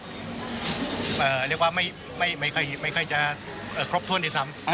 เรียกว่าไม่ค่อยจะครบถ้วนด้วยซ้ำ